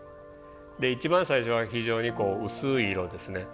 で一番最初は非常に薄い色ですね。